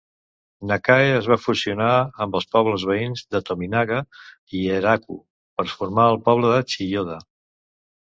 Nakae es va fusionar amb els pobles veïns de Tominaga i Eiraku per formar el poble de Chiyoda.